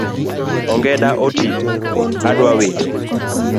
Ongeda otii , adwa wite